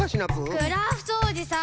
クラフトおじさん！